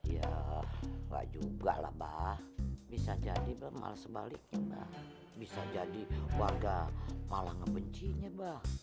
ya enggak juga lah bah bisa jadi malah sebaliknya mbak bisa jadi warga malah ngebencinya bah